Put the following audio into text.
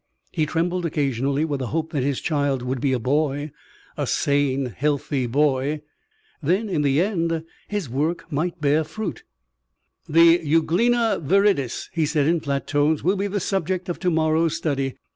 He trembled occasionally with the hope that his child would be a boy a sane, healthy boy. Then, in the end, his work might bear fruit. "The Euglena viridis," he said in flat tones, "will be the subject of to morrow's study.